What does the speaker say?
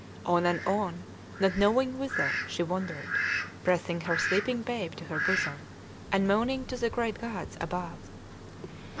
On and on, not knowing whither, she wandered, pressing her sleeping babe to her bosom, and moaning to the great gods above.